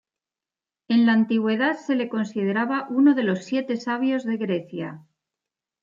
En la antigüedad se le consideraba uno de los Siete Sabios de Grecia.